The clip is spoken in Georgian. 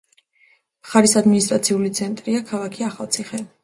მხარის ადმინისტრაციული ცენტრია ქალაქი ახალციხე.